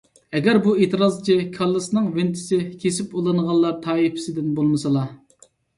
ئەگەر بۇ ئېتىرازچى كاللىسىنىڭ ۋېنتىسى كېسىپ ئۇلانغانلار تائىپىسىدىن بولمىسىلا ...